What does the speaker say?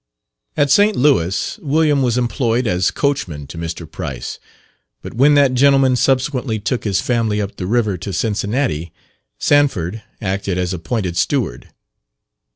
At St. Louis, William was employed as coachman to Mr. Price; but when that gentleman subsequently took his family up the river to Cincinnati, Sanford acted as appointed steward.